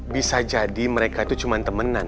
bisa jadi mereka itu cuma temenan kan